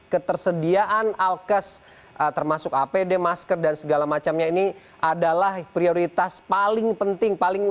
ketersediaan alkes termasuk apd masker dan segala macamnya ini adalah prioritas paling penting paling